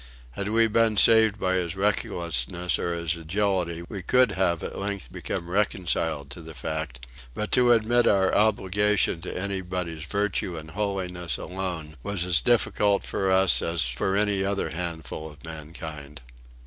Had we been saved by his recklessness or his agility, we could have at length become reconciled to the fact; but to admit our obligation to anybody's virtue and holiness alone was as difficult for us as for any other handful of mankind.